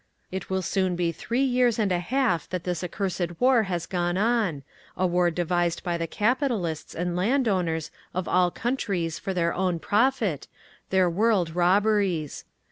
It will soon be three years and a half that this accursed war has gone on, a war devised by the capitalists and landowners of all countries for their own profit, their world robberies.